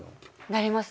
なりますね。